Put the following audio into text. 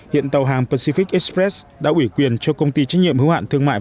hiện tàu hàng pacific express đã ủy quyền cho công ty trách nhiệm hữu hạn thương mại